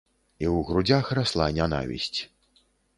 І ў грудзях расла нянавісць.